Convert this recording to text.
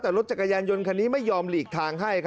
แต่รถจักรยานยนต์คันนี้ไม่ยอมหลีกทางให้